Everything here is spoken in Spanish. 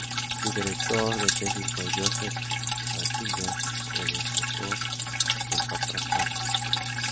Su director de tesis fue Joseph Ratzinger, predecesor del Papa Francisco.